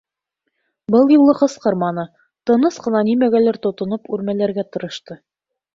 Был юлы ҡысҡырманы, тыныс ҡына нимәгәлер тотоноп үрмәләргә тырышты.